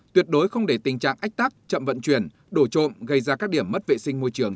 tuyệt đối không để tình trạng ách tắc chậm vận chuyển đổ trộm gây ra các điểm mất vệ sinh môi trường